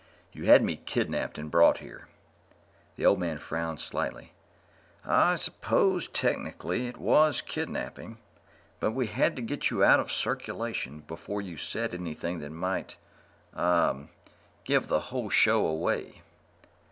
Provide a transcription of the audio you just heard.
You had me kidnaped and brought here." The old man frowned slightly. "I suppose, technically, it was kidnaping, but we had to get you out of circulation before you said anything that might ... ah ... give the whole show away."